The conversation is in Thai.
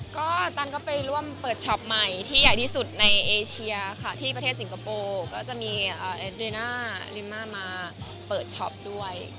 ก็ตันก็ไปร่วมเปิดช็อปใหม่ที่ใหญ่ที่สุดในเอเชียค่ะที่ประเทศสิงคโปร์ก็จะมีริน่าลิม่ามาเปิดช็อปด้วย